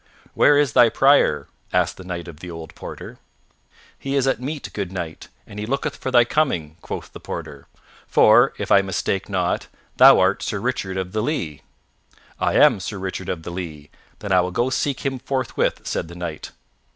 "Where is thy prior?" asked the Knight of the old porter. "He is at meat, good knight, and he looketh for thy coming," quoth the porter, "for, if I mistake not, thou art Sir Richard of the Lea." "I am Sir Richard of the Lea; then I will go seek him forthwith," said the Knight.